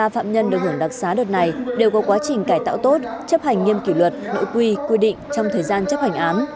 ba phạm nhân được hưởng đặc xá đợt này đều có quá trình cải tạo tốt chấp hành nghiêm kỷ luật nội quy quy định trong thời gian chấp hành án